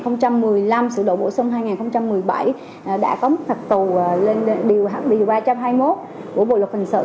năm hai nghìn một mươi năm sửa đổi bổ sung hai nghìn một mươi bảy đã có mức phạt tù lên điều ba trăm hai mươi một của bộ luật hình sự